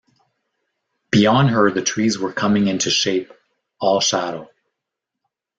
Beyond her the trees were coming into shape, all shadow.